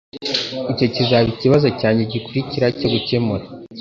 Icyo kizaba ikibazo cyanjye gikurikira cyo gukemura.